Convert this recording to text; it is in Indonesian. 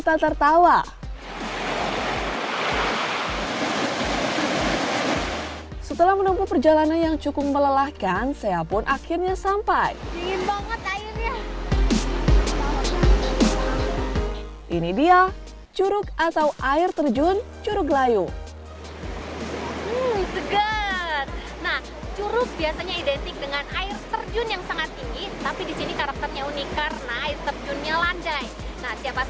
seperti curug pelangi curug buk bruk curug lalai dan curug penganten